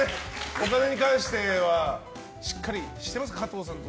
お金に関してはしっかりしてますか？